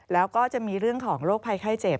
แล้วก็จะมีเรื่องของโรคภัยไข้เจ็บ